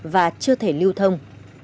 và chưa thể lưu thông